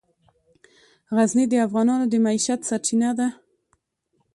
غزني د افغانانو د معیشت سرچینه ده.